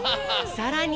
さらに。